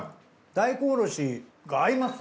大根おろしが合います。